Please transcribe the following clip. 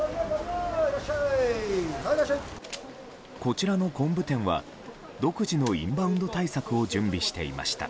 こちらの昆布店は独自のインバウンド対策を準備していました。